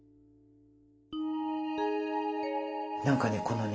何かね